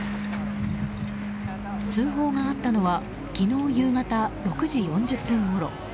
通報があったのは昨日夕方６時４０分ごろ。